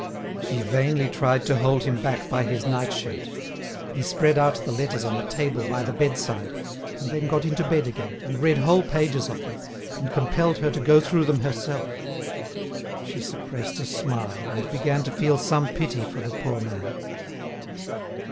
She vainly tried to hold him back by his night shirt. He spread out the letters on the table by the bed side, and then got into bed again, and read whole pages of them, and compelled her to go through them herself. She suppressed a smile, and began to feel some pity for the poor man.